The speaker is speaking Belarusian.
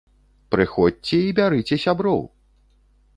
Прыходзьце і бярыце сяброў!